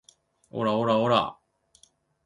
オラオラオラァ